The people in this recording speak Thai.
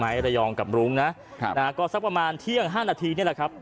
ระยองกับรุ้งนะครับนะฮะก็สักประมาณเที่ยงห้านาทีนี่แหละครับ